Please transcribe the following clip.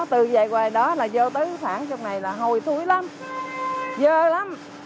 từ vậy qua đó là vô tới phản trong này là hôi thối lắm dơ lắm